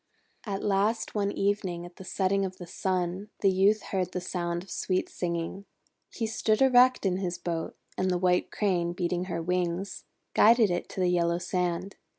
At last one evening, at the setting of the Sun, the Youth heard the sound of sweet singing. He stood erect in his boat, and the White Crane, beating her wings, guided it to the yellow sand.